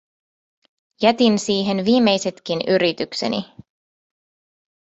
Jätin siihen viimeisetkin yritykseni.